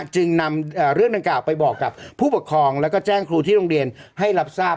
จึงนำเรื่องดังกล่าวไปบอกกับผู้ปกครองแล้วก็แจ้งครูที่โรงเรียนให้รับทราบ